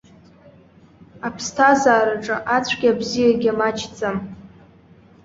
Аԥсҭазаараҿы ацәгьа абзиагьы маҷӡам.